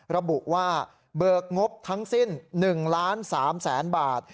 ระบุว่าเบิกงบทั้งสิ้น๑๓๐๐๐๐๐บาท